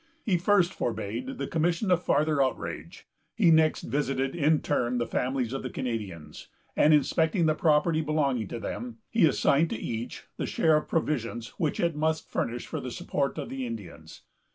He first forbade the commission of farther outrage. He next visited in turn the families of the Canadians, and, inspecting the property belonging to them, he assigned to each the share of provisions which it must furnish for the support of the Indians.